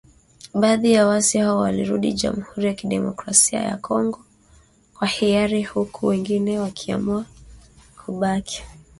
Baadhi ya waasi hao walirudi Jamhuri ya kidemokrasia ya Kongo kwa hiari huku wengine wakiamua kubaki katika kambi la jeshi la Uganda